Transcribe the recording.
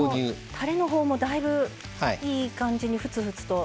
たれのほうも、だいぶいい感じに、ふつふつと。